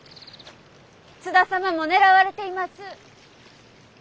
津田様も狙われています。